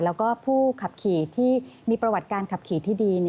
แล้วก็ผู้ขับขี่ที่มีประวัติการขับขี่ที่ดี